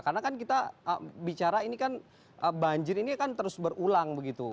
karena kan kita bicara ini kan banjir ini kan terus berulang begitu